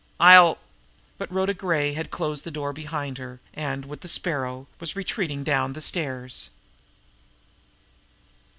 "I'll " But Rhoda Gray had closed the door behind her, and, with the Sparrow, was retreating down the stairs.